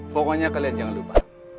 pokoknya kalian jangan lupa